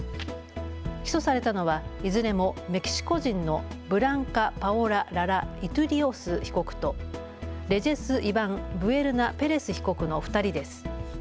起訴されたのはいずれもメキシコ人のブランカ・パオラ・ララ・イトゥリオス被告とレジェス・イバン・ブエルナ・ペレス被告の２人です。